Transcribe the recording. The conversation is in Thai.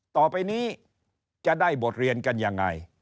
ต่อไปนี้จะได้บทเรียนกันยังไง